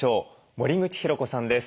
森口博子さんです。